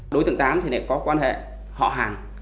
đối tượng tám có quan hệ họ hàng